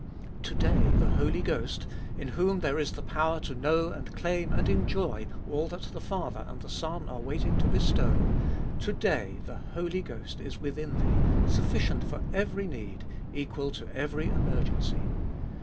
To day the Holy Ghost, in whom there is the power to know and claim and enjoy all that the Father and the Son are waiting to bestow, to day the Holy Ghost is within thee, sufficient for every need, equal to every emergency.